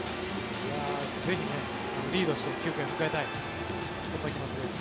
ぜひ、リードして９回を迎えたいそんな気持ちです。